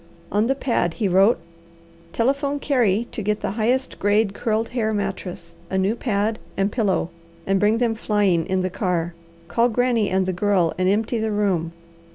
On the pad he wrote: "Telephone Carey to get the highest grade curled hair mattress, a new pad, and pillow, and bring them flying in the car. Call Granny and the girl and empty the room.